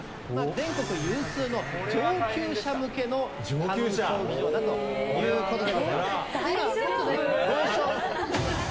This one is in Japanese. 全国有数の上級者向けのカヌー競技場だということで。